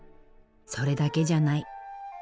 それだけじゃない。